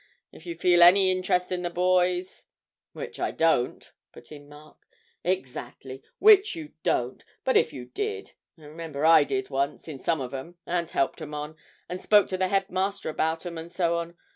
If you feel any interest in the boys ' 'Which I don't,' put in Mark. 'Exactly, which you don't but if you did I remember I did once, in some of 'em, and helped 'em on, and spoke to the headmaster about 'em, and so on.